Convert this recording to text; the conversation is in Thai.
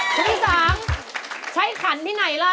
พี่สังใช้ขันที่ไหนล่ะ